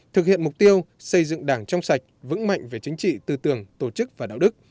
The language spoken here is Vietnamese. thực hiện mục tiêu xây dựng đảng trong sạch vững mạnh về chính trị tư tưởng tổ chức và đạo đức